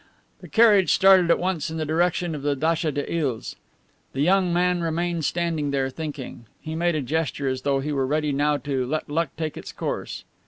The carriage started at once in the direction of the datcha des Iles. The young man remained standing there, thinking. He made a gesture as though he were ready now to let luck take its course.